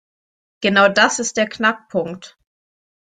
Genau das ist der Knackpunkt.